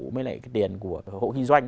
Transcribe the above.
với lại cái tiền của hộ kinh doanh